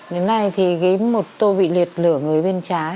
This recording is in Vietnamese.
đến nay thì ghiếm một tô vị liệt lửa người bên trái